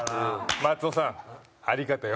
松尾さんありがとよ。